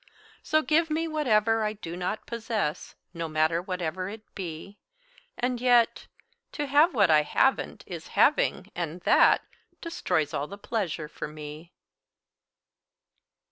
So, give me whatever I do not possess, No matter whatever it be; And yet To have what I haven't is having, and that Destroys all the pleasure for me.